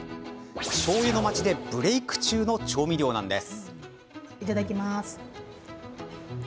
しょうゆの町でブレイク中の調味料なんです。